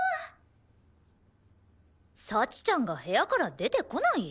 幸ちゃんが部屋から出てこない？